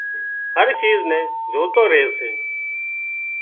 هر شيز نين زوتو ري سي